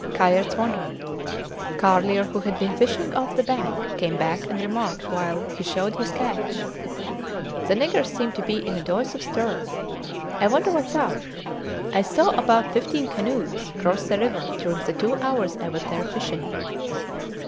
Kayerts wondered. Carlier, who had been fishing off the bank, came back and remarked while he showed his catch, The niggers seem to be in a deuce of a stir; I wonder whats up. I saw about fifteen canoes cross the river during the two hours I was there fishing.